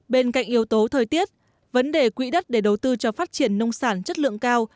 bên cạnh yếu tố thời tiết vấn đề quỹ đất để đầu tư cho phát triển nông sản chất lượng cao